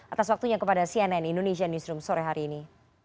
atas waktunya kepada cnn indonesia newsroom sore hari ini